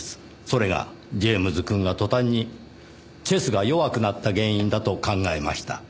それがジェームズくんが途端にチェスが弱くなった原因だと考えました。